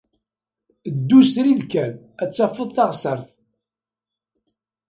Ddu srid kan, ad d-tafeḍ taɣsert.